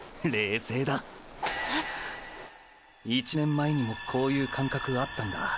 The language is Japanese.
⁉１年前にもこういう感覚あったんだ。